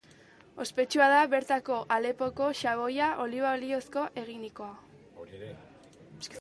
Ospetsua da bertako Alepoko xaboia, oliba olioz eginikoa.